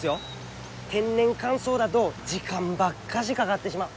天然乾燥だど時間ばっかしかがってしまう。